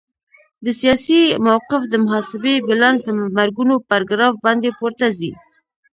د سیاسي موقف د محاسبې بیلانس د مرګونو پر ګراف باندې پورته ځي.